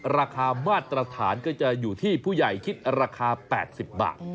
ราคามาตรฐานก็จะอยู่ที่ผู้ใหญ่คิดราคา๘๐บาท